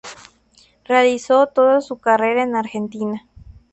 Realizó toda su carrera en Argentina.